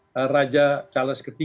jadi faktor daripada charles iii ini